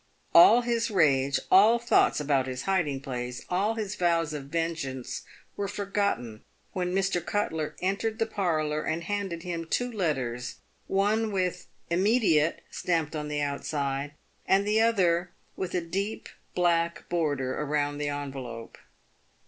All his rage, all thoughts about his hiding place, all his vows of vengeance were forgotten when Mr. Cutler entered the parlour and handed him two letters ; one with " Immediate" on the outside, and the other with a deep black border round the envelope.